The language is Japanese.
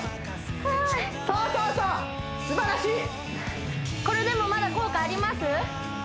はいそうそうそうすばらしいこれでもまだ効果あります？